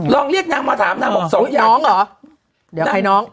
ลองเรียกนางมาถามนางบอกสองอย่างน้องเหรอเดี๋ยวนายน้อง